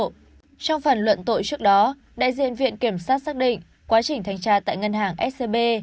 trong phần luận tội trước đó đại diện viện kiểm sát xác định quá trình thanh tra tại ngân hàng scb